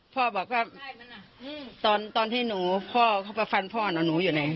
พ่อบอกตอนที่หนูพ่อตอนไปฟันที่หนูอยู่ไหน